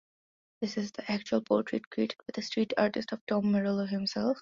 This is the actual portrait created by the street artist of Tom Morello himself.